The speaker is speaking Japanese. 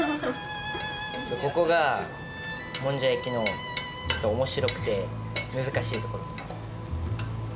ここがもんじゃ焼きのちょっとおもしろくて難しいところ。